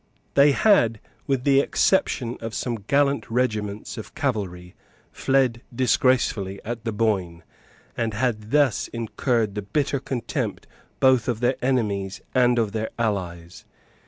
They had, with the exception of some gallant regiments of cavalry, fled disgracefully at the Boyne, and had thus incurred the bitter contempt both of their enemies and of their allies.